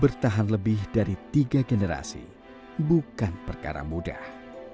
bertahan lebih dari tiga generasi bukan perkara mudah